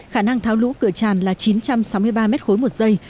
khả năng tháo lũ cửa tràn là chín trăm sáu mươi ba mét khối một giây